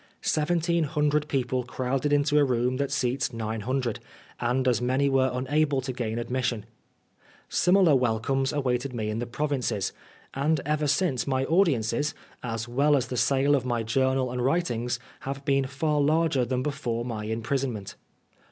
Seven teen hundred people crowded into a room that seats nine hundred, and as many were unable to gain admis sion. Similar welcomes awaited me in the provinces ; and ever since my audiences, as well as the sale of my journal and writings, have been far larger than before my imprisonment.